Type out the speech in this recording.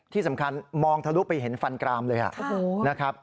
ที่สำคัญมองทะลุไปเห็นฟันกรามเลยนะครับ